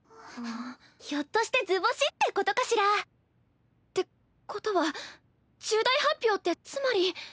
ひょっとして図星ってことかしら？ってことは重大発表ってつまり。